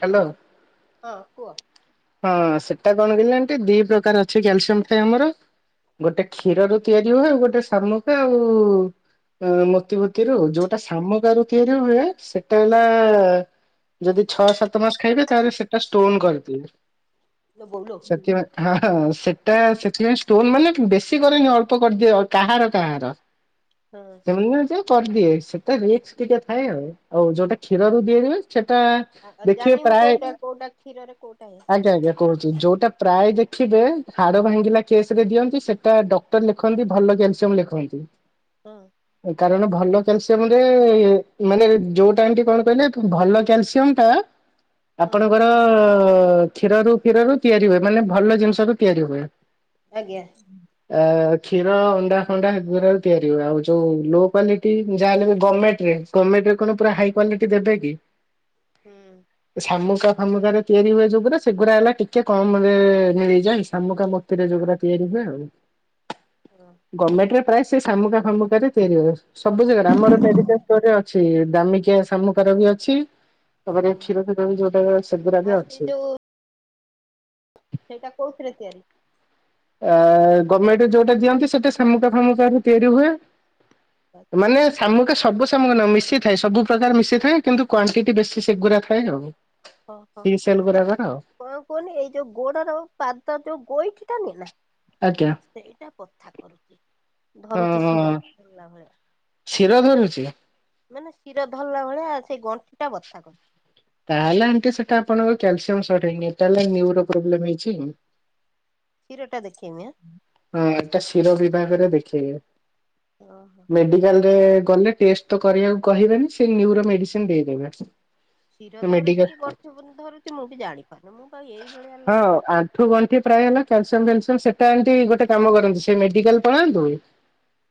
Hello. ହଁ କୁହ ହଁ ସେଟା କଣ କିଲ ଏ ଦି ପ୍ରକାର ଅଛି କ୍ୟାଲସିୟମ ଟଏ ଆମର ଗୋଟେ କ୍ଷୀର ର ତିଆରି ହୁଏ ଗୋ ଗୋଟେ ଶମୁକା ଆଉ ମୋତିଭତି ର ଯୋଉଟା ଶାମକ ରୁ ତିଆରି ହୁଏ ସେଟା ହେଲା ଯଦି ଛଅ ସାତ ମାସ ଖାଇବେ ତାହେଲେ ସେଟା ଷ୍ଟୋନ କରିଦିଏ। ଲୋ ବୋଉଲୋ ସେ ହଁ ସେଟା ଷ୍ଟୋନ ମାନେ ବେଶୀ କରେନି ଅଳ୍ପ କରିଦିଏ କାହାର କାହାର ହଁ ସେମାନେ ସେଟ ରିକ୍ସ ଟିକେ ଥାଏ ଆଉ ଯୋଉଟା କ୍ଷୀରରୁ ତିଆରି ହୁଏ ଆଉ ଜାଣିବ ମୁୁଁ କୋଉଟା କୋଉଟା କ୍ଷୀର ଆଜ୍ଞା ଆଜ୍ଞା କହୁଛୁ ଯୋଉଟା ପ୍ରାୟ ଦେଖିବେ ହାଡ ଭାଙ୍ଗିଲା କେସ ରେ ଦିଅନ୍ତି ସେଟା ଡକ୍ଟର ଲେଖନ୍ତି ଭଲ କ୍ୟାଲସିୟମ ଲେଖନ୍ତି। ହଁ ଏ କାରଣ ଭଲ କାଲସିୟମରେ ମାନେ ଯୋଉଟା ଏମ କଣ କହିଲେ ଭଲ କ୍ୟାଲସିୟମ ଟା ହଁ ଆପଣଙ୍କର କ୍ଷୀରରୁ କ୍ଷୀରରୁ ତିଆରି ହୁଏ ମାନେ ଭଲ ଜିନିଷ ରୁ ତିଆରି ହୁଏ। ଆଜ୍ଞା। ଆ କ୍ଷୀର ଅଣ୍ଡା ଫଣ୍ଡା ହେଗୁରା ବି ତିଆରି ହୁଏ ଆଉ ଯୋଉ ଲୋ କ୍ୱାଲିଟି ଯାହାଲେ ବି ଗମେଣ୍ଟରେ ଏ ଗମେଣ୍ଟରେ କଣ ପୁରା ହାଇ କ୍ଵାଲିଟି ଦେବେ କି ହୁଁ। ଏ ଶାମୁକା ଫାମୁକାରେ ତିଆରି ହୁଏ ଯୋଉଗୁଡ଼ା ସେଗୁଡା ହେଲା ଟିକେ କମରେ ମିଳିଯାଏ ଶାମୁକା ମୋତିରେ ଯୋଉଗୁଡା ତିଆରି ହୁଏ ଆଉ। ହଁ ଗମେଣ୍ଟରେ ପ୍ରାୟେ ସେ ସାମୁକା ଫାମୁକାରେ ତିଆରି ହବ ସବୁ ଜାଗାରେ ଆମର ମେଡିକାଲ ଷ୍ଟୋରରେ ଅଛି ଦାମିକିଆ ସାମୁକା କା ବି ଅଛି ତାପରେ ହଁ କ୍ଷୀର ଫୀର ବି ଯୋଉଟାରେ ସେଗୁରା ଆଉ ବି ସେ ଅଛି। ଯୋଉ ସେଇଟା କୋଉଥିରେ ତିଆରି? ଆ ଗମେଣ୍ଟରେ ଯୋଉଟା ଦିଅନ୍ତି ସେଟା ଶାମୁକା ଫାମୁକାରୁ ତିଆରି ହୁଏ। ଆଛା ମାନେ ଶାମୁକା ସବୁ ସାମୁକା ନୁହଁ ମିଶ୍ ମିଶିଥାଏ ସବୁ ପ୍ରକାର ମିଶିଥାଏ କିନ୍ତୁ କ୍ୱାଣ୍ଟିଟି ବେଶୀ ସେଗୁଡା ଥାଏ ଆଉ। ଓହୋ ସି ସେଲ୍ ଏ ସେଇ ଗୁରାକର ଆଉ କଣ କୁହନି ଏଇ ଯୋଉ ଗୋଡର ପାଦ ଯୋଉ ଗୋଇଠି ଟା ନୁହେଁ ନା। ଆଜ୍ଞା ହଁ ସେଇଟା ବଥା କରୁଚି ଧରୁଚି ଶୀର ହେଲା ଭଳିଆ। ଶୀର ଧରୁଚି? ମାନେ ଶୀର ଧରଲା ଭଳିଆ ସେଇ ଗଣ୍ଠିଟା ବଥା କରଚି। ତାହେଲେ ଆଣ୍ଟି ସେଟା ଆପଣଙ୍କ କ୍ୟାଲସିୟମ ସଟ୍ ହେଇନି ଏଟା ହେଲା ନ୍ୟୁରୋ ପ୍ରୋବ୍ଲେମ ହେଇଛି। ଶୀର ହଁ ଏଟା ଶୀର ବିଭାଗରେ ଓହୋ। ଦେଖେଇବେ ମେଡିକାଲରେ କଲେ ଟେଷ୍ଟ ତ କରିବାକୁ କହିବେନି ସେ ନ୍ୟୁର ମେଡିସିନ ଦେଇଦେବେ। ଶୀର ଧରୁଚି ମେଡିକାଲ କି ଗଣ୍ଠି ବନି ଧରୁଚି ମୁଁ ବି ଜାଣିି ହଁ ଆଣ୍ଠୁ ଗଣ୍ଠି ପ୍ରାୟ ହେଲା କ୍ୟାଲସିଅମ ଯନସ୍ ସେଟା ଏମତି ଗୋଟେ କାମ କରନ୍ତୁ ସେ ମେଡିକାଲ ପଳାନ୍ତୁ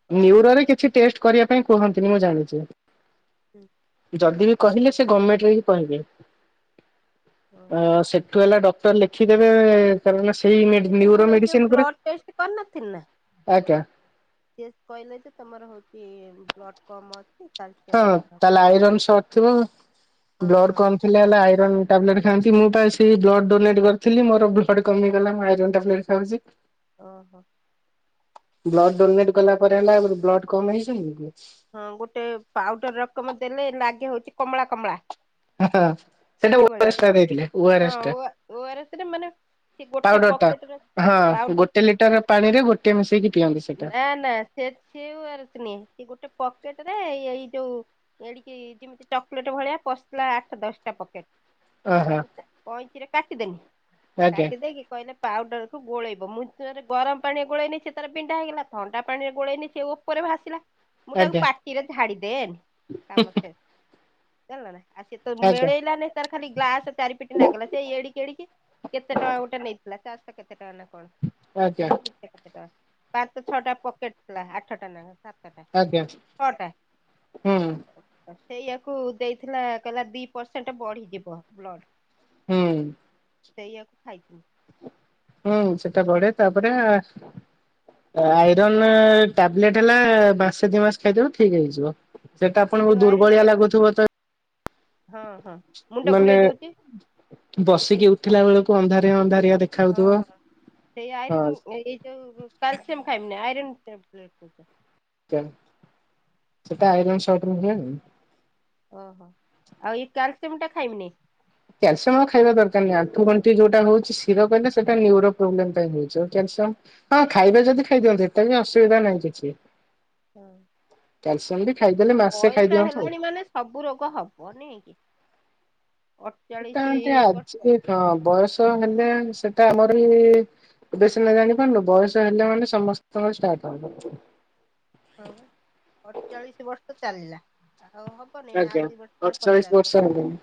ହଁ। ନ୍ୟରୋରେ କିଛି ଟେଷ୍ଟ କରିବା ପାଇଁ କୁହନ୍ତିନି ମୁଁ ଜାଣିଚି। ଉଁ ଯଦି ବି କହିଲେ ସେ ଗମେଣ୍ଟରେ ହି କହିବେ ହଁ ଅ-ସେଠୁ ହେଲା ଡକ୍ କ୍ଟର ଲେଖିଦେବେ କାରଣ ହେଲା ସି କିନ୍ତୁ ମୁଁ ଏଇ ଯୋଉ ବ୍ଲଡ଼ ଟେଷ୍ଟ କରିନଥିଲି ନା ଆଜ୍ଞା ସିଏସ୍ କହିଲେ ଯେ ତମର ହୋଉଚି ବ୍ଲଡ କମ ଅ ହଁ ତାହେଲେ ଆଇରନ୍ ସଟ୍ ଥିବ ହଁ ବ୍ଲଡ ହଁ କମ୍ ଥିଲା ମାନେ ଆଇରନ୍ ଟାବଲେଟେ ଖାନ୍ତି ମୁଁ ପା ଏ ସେଇ ବ୍ଲଡ ଡୋନେଟ୍ କରଥିଲି ମୋର ବ୍ଲଡ କମିଗଲା ମୁଁ ଆଇରନ୍ ଟାବଲେଟ୍ ଖାଉଚି। ଓହୋ। ବ୍ଲଡ୍ ଡୋନେଟ୍ କଲା ପରେ ହେଲା ଆଗରୁ ବ୍ଲଡ କମ ହେଇଯାଇ ନଥିବ? ହଁ ଗୋଟେ ପାଉଡର ରକମ ଦେଲେ ଲାଗେ ହୋଉଚି କମଳା କମଳା। ଆହା ସେଟା ଫୁଟି ଭଳିଆ ଓଆରେସଟା ଦେଇଥିଲେ ହଁ ଓଆରେସଟା। ଓ ଆର ଏସ ରେ ମାନେ ସେ ଗୋଟେ ପକେଟରେ ହଁ ପାଉଡର ଗୋଟେ ଲିଟର ପାଣିରେ ଗୋଟିଏ ମିଶେଇକି ପିଅନ୍ତି ସେଇଟା। ଏଇ ଗୋଟେ ପ ପକେଟରେ ଏଇ ଯୋଉ ଏଡିକି ଯିମିତି ଚକୋଲେଟ ଭଳିଆ ପଶିଥିଲା ଆଠ ଦଶଟା ପକେଟ। ଓହୋ ତାକୁ ଚା-କଇଁଚିରେ କାଟିଦେନି ଆଜ୍ଞା। କାଟିଦେଇକି କହିଲେ ପାଉଡରକୁ ଗୋଳେଇବ ମୁଁ ଥରେ ଗରମ ପାଣିଏ ଗୋଳେଇନି ସିଏ ତାର ପିଣ୍ଡା ହେଇଗଲା ଥଣ୍ଡା ପାଣିରେ ଗୋଳେଇନି ସିଏ ଉପରେ ଭାସିଲା ମୁଁ ତାକୁ ଆଜ୍ଞା ପାଟିରେ ଝାଡି ଦେଏନି କାମ ଶେଷ, ଜାଣଲନା। ଆ ସିଏ ତ ଆଜ୍ଞା ମିଳେଇଲା ନେଇ ତାର ଖାଲି ଗ୍ଲାସ ଚାରି ପିଟି ନାଗିଗଲା ସେଇ ଏଡିକି ଏଡିକି କେତେ ଟଙ୍କା ଗୋଟେ ନେଇଥିଲା ଚାରସ କେତେ ଟଙ୍କା ନା କଣ ଚାରସ ଆଜ୍ଞା ନା ତିନିଶ କେତେ ଟଙ୍କା। ପାଞ୍ଚ ଛଅଟା ପକେଟ ଥିଲା ଆଠଟା ନାଖା ସାତଟା। ଆଜ୍ଞା ଛଅଟା ହୁଁ। ସେଇଆକୁ ଦେଇଥିଲା କଇଲା ଦି ପର୍ସେଣ୍ଟ ବଢିଯିବ ବ୍ଲଡ୍। ହୁଁ। ସେଇଆକୁ ଖାଇଥିନି। ହୁଁ ସେଟା ବଢେ ତାପରେ ଆଇରନ୍ ଏ ଟାବଲେଟ୍ ହେଲା ମାସେ ଦି ମାସ ଖାଇଥିବ ଠିକ ହେଇଯିବ ସେଟା ଏଇ ଆପଣଙ୍କୁ ଯୋଉ ଆଇରନ୍ ଦୁର୍ବଳିଆ ଲାଗୁଥିବ ତ ହଁ ହଁ ମୁଣ୍ଡ ମାନେ ଘୁରେଇ ଦଉଛି ବସିକି ଉଠିଲା ବେଳକୁ ଅନ୍ଧାରିଆ ଅନ୍ଧାରିଆ ହଁ ଦେଖାଯାଉଥିବ ହଁ ସେଇ ଆଇରନ୍ ହଁ ଏ ଏଇ ଯୋଉ କାଲସିୟମ ଖାଇବୁ ନାହିଁ ଆ [inaudible] ଚେନ ସେଟା ଆଇରନ ଶଟ୍ ହୁଏ। ଓହୋ ଆଉ ଏଇ କ୍ୟାଲସିଅମ ଟା ଖାଇବିନି। କ୍ୟାଲସିଅମ ଆଉ ଖାଇବା ଦରକାରନାହିଁ ଆଣ୍ଠୁଗଣ୍ଠି ଯଉଟା ହଉଛି ଶିରକହିଲେ ସେଟା ନ୍ୟୁରୋ ପ୍ରୋବ୍ଲେମ ପାଇଁ ହଉଛି ହଁ ଖାଇବା ଯଦି ଖାଇଦିଅନ୍ତୁ ଏତ ବିି ଅସୁବିଧା ନାହିଁ କିଛି। କ୍ୟାଲସିୟମ ବି ଖାଇଦେଲେ [inaudible] ମାସେ ବୟସ ଖାଇଦିଅନ୍ତୁ ଆଉ। ହେଲାଣି ମାନେ ସବୁ ରୋଗ ହବ ନେଇ କି। ସେଟା ଅଠଚାଳିଶି ଆଣ୍ଟୀ ବର୍ଷ ଆଜି ହଁ ବୟସ ହେଲେ ସେଟା ଆମରି ଏବେ ସିନା ନା ଜାଣି ପାରୁନୁ ବୟସ ହେଲେ ମାନେ ସମସ୍ତଙ୍କର ଷ୍ଟାର୍ଟ ହବ। ହଁ ବା ଅଟଚାଳିଶ ବର୍ଷ ଚାଲିଲା ଆଉ ଆଜ୍ଞା ହବନିନାଆଉ ଦି ବର୍ଷ ପରେ ଅଠଚାଳିଶ ବର୍ଷ ପଚାଶ ହବ ହେଲାଣି।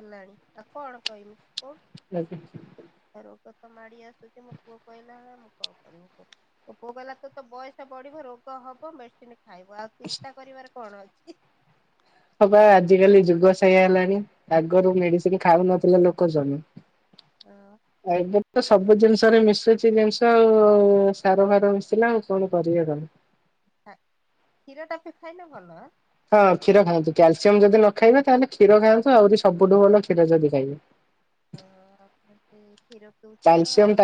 ହେଲାଣି ଆଉ କଣ କହିମି। କହୁନୁ। [inaudible] ରୋଗ ତ ମାଡି ଆସୁଛି ମୋ ପୁଅ କହିଲା ଭଳିଆ ମୁଁ କଣ କରିବି କୁହ ମୋ ପୁଅ କହିଲା ତୋ ତ ବୟସ ବଢିବ ରୋ ରୋଗ ହବ ମେଡିସିନ ଖାଇବ ଆଉ ଚିନ୍ତା କରିବାର କଣ ଅଛି। ହଁ ବା ଆଜ କାଲି ଯୁଗ ସେଇଆ ହେଲାଣି ଆଗରୁ ମେଡିସିନି ଖାଉନଥିଲେ ଲୋକ ଜଣେ ହଁ ଏବେ ତ ସବୁ ଜିନିଷରେ ମିଶୁଛି ଜିନିଷ ଆଉ ସାର ଫାର ମିଶିଲା ଆଉ କଣ କରିିବା ର। କ୍ଷୀର ଟାପି ଖାଇଲେ ଭଲ। ହଁ କ୍ଷୀର ଖାଆନ୍ତୁ କ୍ୟାଲସିୟମ ଯଦି ନ ଖାଇବେ ତାହେଲେ କ୍ଷୀର ଖାଆନ୍ତୁ ଆହୁରି ସବୁଠୁ ଭଲ କ୍ଷୀର ଯଦି ଖାଇବେ। ହଁ ସେ କ୍ଷୀର ପିଉଛୁ ତ ଆଉ। କ୍ୟାଲସିୟମ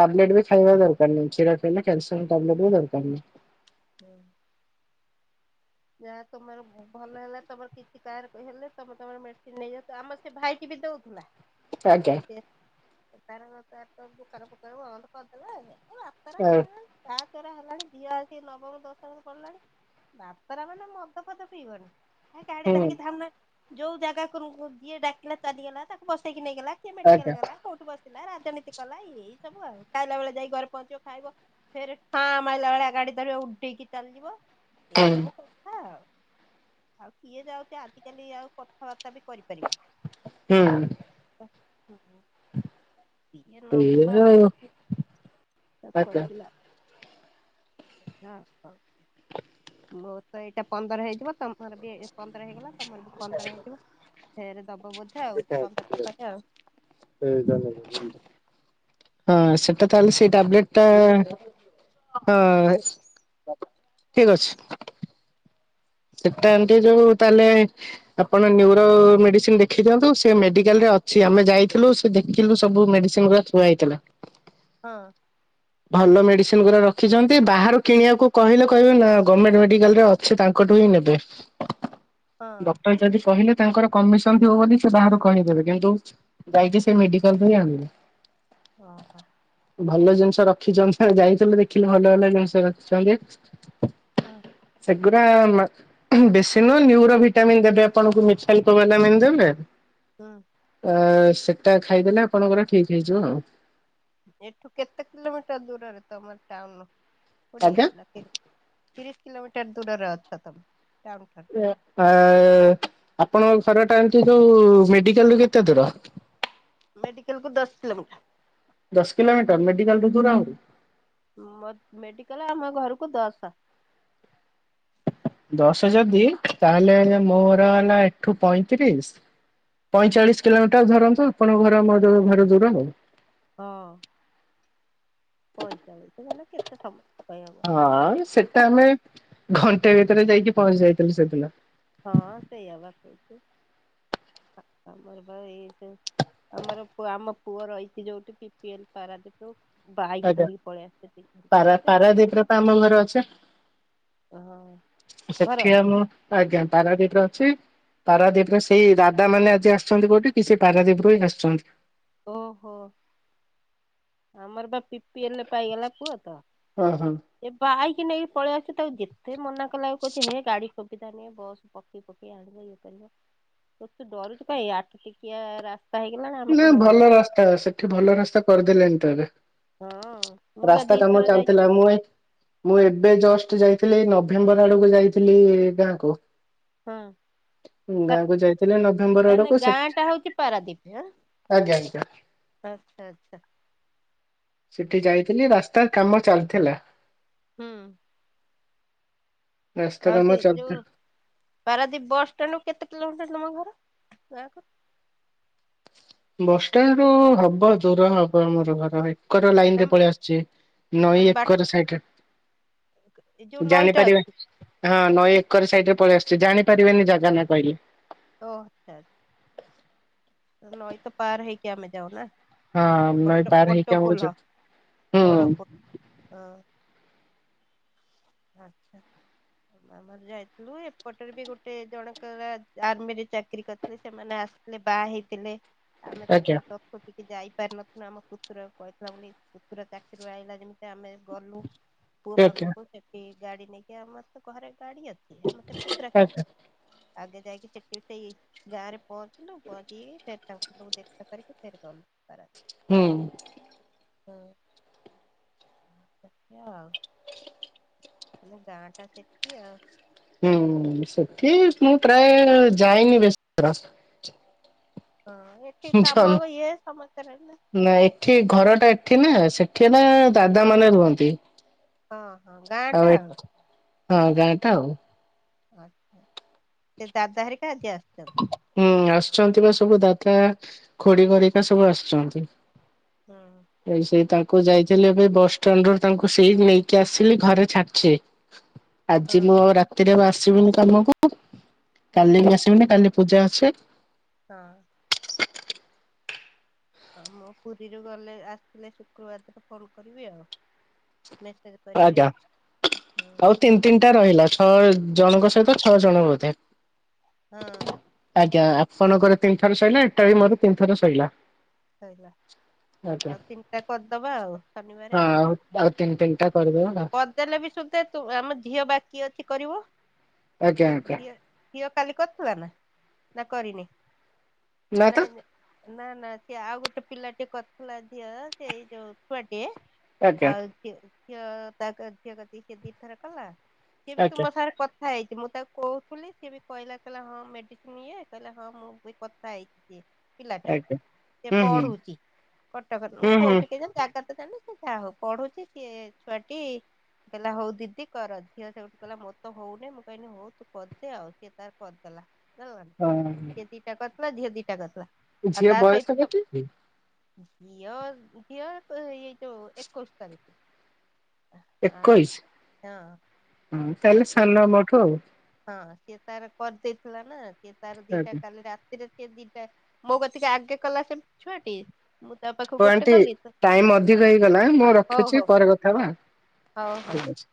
ଟାବଲେଟ ବି ଖାଇବା ଦରକାର ନାହିଁ। ଛାଡିବାକୁ ହେଲେ କ୍ୟାଲସିୟମ ଟାବଲଟେ ବି ଦରକାର ନାହିଁ। ହୁଁ [inaudible] ଯାହା ତମର ଭଲ ହେଲା ତମର କିଛି କାହାର ହେଲେ ତମେ ତମର ମେସିନ ନେଇଯାଉଚ ଆମର ସେ ଭାଇଟି ଦଉଥିଲା ଆଜ୍ଞା ସେ ଦୋକାନ ଫୋକାନ ବନ୍ଧ କରଦେବା ହୁଁ, ହେଲାଣି ଝିଅ ଆସି ନବମ ଦଶମ ପଡିଲାଣି ବାତରା ମାନେ ମଦ ଫଦ ପିଇବନି ଗାଡି ହୁଁ ଧରିକି ଧଉନା ଯୋଉ ଜାଗା ଯିଏ ଡାକିଲା ଚାଲିଗଲା ତାକୁ ବସେଇକି ନେଇଗଲା କିିଏ ମେଡିକାଲ ଆଜ୍ଞା ଗଲା କଉଠୁ ବସ ରାଜନୀତି କଲା ଏଇ ସବୁ ଆଉ ଖାଇଲା ବେଳେ ଯାଇ ଘରେ ପହଞ୍ଚିବ ଖାଇବ ଫେରେ ଫାଁ ମାଇଲା ଭଳିଆ ଗା କେତେଳେ ଉଠେଇକି ଚାଲିଯିବ ଏଇ ହୁଁ ସବୁ। ଆ ଆଉ କିଏ ଯାଉଛି ଆଜିକାଲି ଆଉ କଥାବାର୍ତ୍ତା ବି କରିପାରିବୁ। ହୁଁ ହୁଁ ଏ ନ ଏଇଆ ଆଉ। ବାଛି [inaudible] ତ ଆଜ୍ଞା। କହିଥି ଲଥିଲା ବହୁତ? ଏଇଟା ପନ୍ଦର ହେଇଯିବ ତମର ବି ପନ୍ଦର ହେଇଗଲା ତମର ବି ପନ୍ଦର ହେଇଯିବ ଫେରେ ଦବ ବୋଧେ ଆଉ ସେଟା ପନ୍ଦରଟା ପରେ ଆଉ ସେ ତା ହଁ ସେଟା ତାହେଲେ ସେଇ ଟାବଲେଟ ଟା ହଁ ଠିକ ଅଛି। ସେଟା ଏମତି ଯୋଉ ତାହଲେ ଆପଣ ନିୟୁର ମେଡିସିନ ଦେଖି ଦିଅନ୍ତୁ ସେ ମେଡିକାଲରେ ଅଛି ଆମେ ଯାଇଥିଲୁ ସେ ଦେଖିଲୁ ସବୁ ମେଡିସିନ ଗୁରା ଥୁଆ ହେଇଥିଲା। ହଁ, ଭଲ ମେଡିସିନ ଗୁରା ରଖିଛନ୍ତି ବାହାରୁ କିଣିବାକୁ କହିଲେ କହିବେ ନା ଗଭର୍ଣ୍ଣମେଣ୍ଟ ମେଡିକାଲ ରେ ଅଛି ତାଙ୍କଠୁ ହିଁ ନେବେ ହଁ। ଡକ୍ଟର ଯଦି କହିଲେ ତାଙ୍କର କମିଶନ ଥିବ ବୋଲି ସେ ବାହାରୁ କହିଦେବେ କିନ୍ତୁ ଯାଇକି ସେ ମେଡିକାଲ ଧରି ଆଣିବେ। ଓ ହୋ, ଭଲ ଜିନିଷ ରଖିଛନ୍ତି ଯାଇଥିଲେ ଦେଖିଲେ ଭଲ ଭଲ ଜିନିଷ ରଖିଛନ୍ତି। ହଁ ସେଗୁରା ମା ବେଶୀ ନୁହଁ ନ୍ୟୁରୋ ଭିଟାମିନ ଦେବେ ଆପଣଙ୍କୁ ମିଠାଲ କଲାମନ୍ ଦେବେ। ହୁଁ ଅ ସେଟା ଖାଇଦେଲେ ଆପଣଙ୍କର ଠିକ ହେଇଯିବ ଆଉ। ଏଠୁ କେତେ କିଲୋମିଟର ଦୂରରେ ତମର ଟାଉନ କୋଡ଼ିଏ ଆଜ୍ଞା? ନା କେ ତିରିଶ କିଲୋମିଟର ଦୂରରେ ଅଛ ତମେ ଟାଉନ ଠାରୁ। ଆ। ଆପଣଙ୍କ ଘରଟା ଏମତି ଯୋଉ ମେଡିକାଲ ରୁ କେତେ ଦୂର? ମେଡିକାଲକୁ ଦଶ କିଲୋମିଟର। ଦଶ କିଲୋମିଟର, ମେଡିକାଲ ରୁ ଦୂର ଆହୁରି। ମ ମେଡିକାଲ ଆମ ଘରକୁ ଦସ। ଦଶ ଯଦି ତାହେଲେ ମୋର ହେଲା ଏଠୁ ପଇଁତିରିଶ ପଇଁଚାଳିଶ କିଲୋମିଟର ଧରନ୍ତୁ ଆପଣଙ୍କ ଘର [unintelligible] ଘର ଦୂର ଆଉ। ହଁ ପଇଁଚାଳିଶି ମାନେ କେତେ ସମୟ? କହିବାକୁ ଗଲେ ହଁ ସେଟା ଆମେ ଘଣ୍ଟେ ଭିତରେ ଯାଇକି ପହଞ୍ଚି ଯାଇଥିଲୁ ସେଦିନ। ହଁ ସେଇଆ ବା କହୁଛି ଆମର ବା ଏଇ ଯୋଉ ଆମର ଆମ ପୁଅ ରହିଛି ଯୋଉଠି ପି ପି ଏଲ ପାରାଦୀପରୁ ବାଇକ ଆଜ୍ଞା ଧରିିକି ପଳେଇ ପାରା ଆସୁଛି [unintelligible] ସେଠିଆ ମୁଁ ଆଜ୍ଞା ପାରାଦୀରେ ଅଛି। ପାରାଦୀପରେ ସେଇ ଦାଦା ମାନେ ଆଜି ଆସୁଛନ୍ତି, କୋଉଠି କି ସେଇ ପାରାଦ୍ୱୀପରୁ ହିଁ ଆସୁଛନ୍ତି। ଓହୋ। ଆମର ବା ପି ପି ଏଲ ପାଇଗଲା ପୁଅ ତ, ଓହୋ ଏ ବାଇକି ନେଇ ପଳେଇ ଆସୁଚି। ତାକୁ ଯେତେ ମନା କଲା ଆଉ କହୁଛି, ହେ ଗାଡି ସୁବିଧା ନୁହଁ। ବସ ପକେଇ ପକେଇ ଆଣିବ, ଇଏ କରିବ। ତୁ ଏତେ ଡରୁଚୁ କାଇଁ, ଆଠ ଟିକିଆ ରା ନା ଭଲ ରାସ୍ତା, ସେଠି ଭଲ ରାସ୍ତା କରିଦେଲେଣିି ତ ଏବେ। ହଁ ମୁଁ ବା ରାସ୍ତା କାମ ଦିଥର ଯାଇଛି ଚାଲିଥିଲା। ମୁ, ମୁଁ ଏବେ ଜଷ୍ଟ ଯାଇ ଥିଲି। ନଭେମ୍ବର ଆଡକୁ ଯାଇଥିଲି ଗାଁ କୁ। ହଁ, ଯାଇଥିଲେ ନଭେମ୍ବର ତାନେ ଆଡକୁ ସେ ଗାଁ ଟା ହଉଛି ପାରାଦୀପ। ଆଜ୍ଞା ଆଜ୍ଞା ଆଛା ଆଛା। ସେଠି ଯାଇଥିଲି, ରାସ୍ତାର କାମ ଚାଲିଥିଲା। ହୁଁ। ରାସ୍ତା ଆଉ କାମ ସେ ଯୋଉ, ଚାଲିଥିଲା ପାରାଦୀପ ବସଷ୍ଟାଣ୍ଡରୁ କେତେ କିଲୋମିଟର ତମ ଘର? ଗାଁକୁ। ବସଷ୍ଟାଣ୍ଡରୁ ହବ, ଦୂର ହବ ଆମର ଘର। ଏକର ଲାଇନ ରେ ତମ ପଳେଇ ଆସୁଛି। ନଈ ତମ ବା ଏକର ସାଇଡରେ ଏ ଯୋଉ ନଈଟା ଜାଣିପାରିବେ ଅଛି। ହଁ, ନଈ ଏକର ସାଇଡ ରେ ପଳେଇ ଆସୁଛି। ଜାଣିପାରିବେନି ଜାଗା ନା କହିଲେ। ଓ ଆଛା ଆଛା। ନଈ ତ ପାର ହେଇକି, ଆମେ ଯାଉ ନା। ହଁ ନଈ ପାର ହେଇଁକ [unintelligible] ହଛ ହ। ବଡ ପୋଲ ଆଛା। ଆମର ଯାଇଥିଲୁ, ଏପଟରେ ବି ଗୋଟେ ଜଣଙ୍କର ଆର୍ମି ରେ ଚାକିରି କରିଥିଲେ। ସେମାନେ ଆସିଥିଲେ ବାହା ହେଇଥିଲେ। ଆମେ ଆଜ୍ଞା ତାଙ୍କର ଚତୁର୍ଥୀକୁ ଯାଇ ପାର ନଥିଲୁ। ଆମ ପୁତୁର କହିଥିଲା ବୋଲି ପୁତୁରା ଚାକିରି ଆଇିଲା ଯେମିତି ଆମେ ଗଲୁ। ପୁଅ ଆଜ୍ଞା ପାଖକୁ ସେଠି ଗାଡି ନେଇକି। ଆମର ତ ଘରେ ଗାଡି ଅଛି। ଆମର ସେ ପୁତୁରା ଆଜ୍ଞା। [unintelligible] ଆଗେ ଯାଇକି ସେଠି ସେଇ ଗାଁରେ ପହଞ୍ଚିଲୁ ପହଞ୍ଚିକି ସେଇଠି ତାଙ୍କୁ ସବୁ ଦେଖା କରିକି, ଫେରେ ଗଲୁ ପାରାଦ୍ଵୀପ। ହୁଁ। ହୁଁ ଏମିତି ଆଉ। ଆମ ଗାଁ ଟା ସେଠି ଆଉ। ହୁଁ ସେଠି ମୁଁ ପ୍ରାୟ ଯାଇନି ବେଶ୍ ରାସ୍ ହଁ ଏଠି କାମ ଇଏ ସମସ୍ତେ ରହିଲେ। ଠି ନା ସେଠି ନା ହଁ। ଦାଦା ମାନେ ରୁହନ୍ତି। ହଁ ହଁ ଗାଁ ଟା ଆଉ। ହଁ ଗାଁ ଟା ଆଉ। ଆଚ୍ଛା ସେ ଦାଦା ହେରିକା କେଆ ହୁଁ ଆସୁଛନ୍ତି ବା ସବୁ ଦାଦା ଖୁଡି ଘରିକା ସବୁ ଆସୁଛନ୍ତି। ହୁଁ ଏଇ ସେଇ ତା ଙ୍କୁ ଯାଇଥିଲି ଏବେ ବସଷ୍ଟାଣ୍ଡରୁ ତାଙ୍କୁ ସେଇ ନେଇକି ଆସିଲି ଘରେ ଛାଡିଚି। ହଁ ଆଜି ମୁଁ ଆଉ ରାତିରେ ଆଉ ଆସିବିନି କାମକୁ ହଁ କାଲି ବି ଆସିବିନି କାଲି ପୂଜା ଅଛି। ହଁ। ହଁ ମୁଁ ପୁରୀରୁ ଗଲେ ଆସିିଲେ ଶୁକ୍ରବାର ଦିନ ଫୋନ୍ କରିବି ଆଉ। ମେସେଜ କରିବି। ଆଜ୍ଞା ହଁ ଆଉ ତିନି ତିନିଟା ରହିଲା ଛଅ ଆ- ଜଣଙ୍କ ସହିତ ଛଅ ଜଣ ବୋଧେ। ହଁ। ଆଜ୍ଞା ଆପଣଙ୍କର ତିନି ଥର ସଇଲା। ଏଟା ବି ମୋର ତିନି ଥର ସଇଲା। ସଇଲା ଆଉ ତିନିଟା କରିଦବା ଆଉ ହଁ ଶନିବାର ଆଉ। ଆଉ ତିନି ତିନିଟା କରିଦବା କରିଦେଲେ ବି ସୁଦେ ତୁ ଆମ ଝିଅ ବାକି ଅଛି କରିବ। ଆଜ୍ଞା ଆଜ୍ଞା। ଝିଅ ଝିଅ କାଲି କରିଥିଲା ନା ନା କରିନି ନା ତ ନା ନା। ସେ ଆଉ ଗୋଟେ ପିଲାଟେ କରିଥିଲା ଝିଅ ସେଇ ଯୋଉ ଛୁଆଟିଏ ଆଜ୍ଞା ଆଉ ସେ ଝିଅ ତାକ ଝିଅ କତିକି ସେ ଦି ଥର କଲା ସିଏ ବି ତୁମ ଆଜ୍ଞା। ସାଙ୍ଗରେ କ ଥା ହେଇଛି ମୁଁ ତାକୁ କହୁଥିଲି ସିଏ ବି କହିଲା କହିଲେ ହଁ ମେଡିସିନ ଇଏ କହିଲେ ହଁ ମୁଁ ବି କଥା ହେଇଛି। ପିଲାଟା ଆଜ୍ଞା ସେ ହୁଁ ହୁଁ ପଢୁଛି କଟକରେ ମୁଁ ହୁଁ ହୁଁ କୋଉଠି କେଜାଣି ଜାଗା ତ ଜା ଣିନି ସେ ଯାହା ହୋଉ ପଢୁଛି ସିଏ ଛୁଆଟି କହିଲା ହୋଉ ଦିଦି କର ଝିଅ ସେଉଠୁ କହିଲା ମୋରତ ହଉନି ମୁଁ କହିଲି ହୋଉ ତୁ କରିଦେ ଆଉ ସିଏ ତାର କରିଦେଲା। [unintelligible] ହଁ ସେ ଦିଟା କରିଦେଲା ଝିଅ ଦିଟା କରିଦେଲା। ଝିଅ ବୟସ କେତେ କି? ଝିଅ ଝିଅ କ ଏଇ ଯୋଉ ଏକୋଇଶ ତାକୁ। ହଁ। ଏକୋଇଶ ଆଉ ତାହେଲେ ସେ ସାନ ମୋ ଠୁ ଆଉ। ହଁ ସିଏ ତାର କରିଦେଇଥିଲା ନା ସିଏ ତାର ଦିଟା ଆଜ୍ଞା। କାଲି ରାତିରେ ସେ ଦିଟା ମୋ କତିିକି ଆଗେ କଲା କେମ୍ ଛୁଆଟି ମୁଁ ତା ପାଖକୁ ହଁ ଗୋଟେ ଆଣ୍ଟି କଲି ତ ଟାଇମ୍ ଅଧିକ ହେଇଗଲା ମୁଁ ହଁ ହଉ ରଖୁଛି ହଉ ପରେ କଥା ହଁ ହବା। ହଉ ହଉ। ଠିକ୍ ଅଛି।